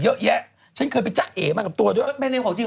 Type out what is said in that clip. เยอะแยะฉันเคยไปจักเ๋มันกับตัวด้วยเป็นในเครื่องจริง